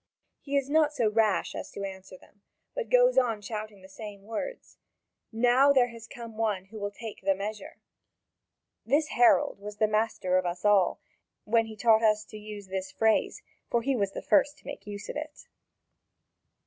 He is not so rash as to answer them, but goes on shouting the same words: "Now there has come one who will take the measure!" This herald was the master of us all, when he taught us to use the phrase, for he was the first to make use of it.